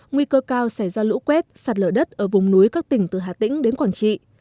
nguy cơ cao xảy ra lũ quét sạt lở đất ở vùng núi các tỉnh từ hà tĩnh đến quảng trị